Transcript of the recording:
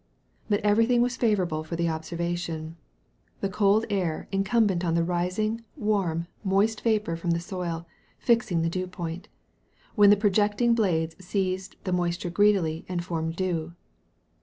But everything was favourable for the observation the cold air incumbent on the rising, warm, moist vapour from the soil fixing the dew point, when the projecting blades seized the moisture greedily and formed dew.